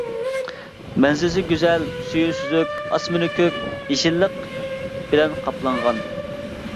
مەنزىرىسى گۈزەل، سۈيى سۈزۈك، ئاسمىنى كۆك، يېشىللىق بىلەن قاپلانغان.